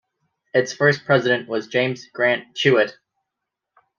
Its first president was James Grant Chewett.